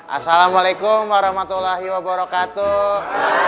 assalamualaikum warahmatullahi wabarakatuh